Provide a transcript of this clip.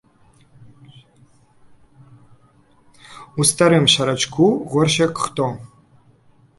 У старым шарачку, горш як хто.